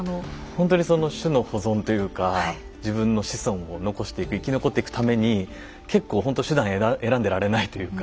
ほんとにその種の保存というか自分の子孫を残していく生き残っていくために結構ほんと手段選んでられないというか。